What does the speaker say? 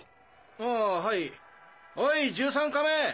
ああはいおい１３カメ！